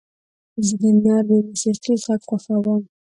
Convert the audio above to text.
زه د نرم موسیقۍ غږ خوښوم.